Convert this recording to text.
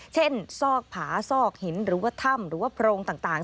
ซอกผาซอกหินหรือว่าถ้ำหรือว่าโพรงต่าง